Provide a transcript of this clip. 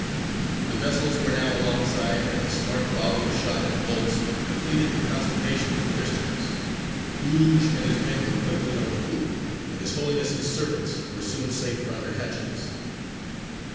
The vessels were now alongside, and a smart volley of shot and bolts completed the consternation of the Christians. Urūj and his men were quickly on the poop, and his Holiness's servants were soon safe under hatches.